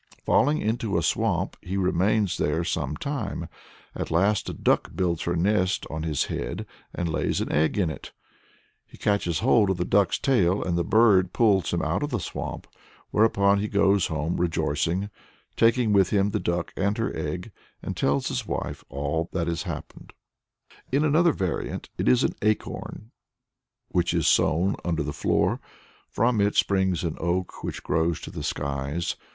Falling into a swamp, he remains there some time. At last a duck builds her nest on his head, and lays an egg in it. He catches hold of the duck's tail, and the bird pulls him out of the swamp; whereupon he goes home rejoicing, taking with him the duck and her egg, and tells his wife all that has happened. In another variant it is an acorn which is sown under the floor. From it springs an oak which grows to the skies.